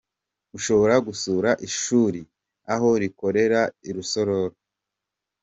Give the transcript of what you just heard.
Ushobora gusura ishuri aho rikorera i Rusororo.